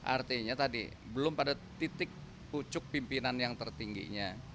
artinya tadi belum pada titik pucuk pimpinan yang tertingginya